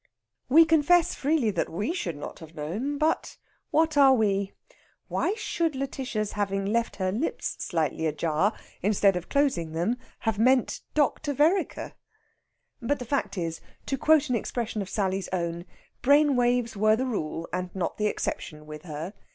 We confess freely that we should not have known, but what are we? Why should Lætitia's having left her lips slightly ajar, instead of closing them, have "meant Dr. Vereker"? But the fact is to quote an expression of Sally's own brain waves were the rule and not the exception with her.